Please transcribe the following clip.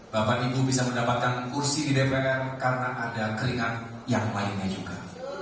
bapak ibu bisa mendapatkan kursi di dpr karena ada keringat yang lainnya juga